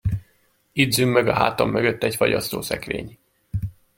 Itt zümmög a hátam mögött egy fagyasztószekrény.